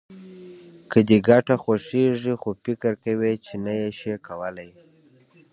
که دې ګټه خوښېږي خو فکر کوې چې نه يې شې کولای.